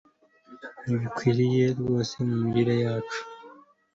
ntibikwiriye rwose mu mirire yacu